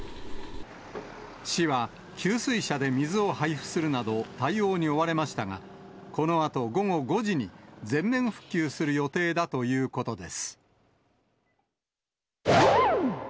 市は給水車で水を配布するなど、対応に追われましたが、このあと午後５時に、全面復旧する予定だということです。